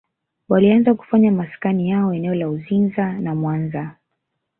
Walianza kufanya maskani yao eneo la Uzinza na Mwanza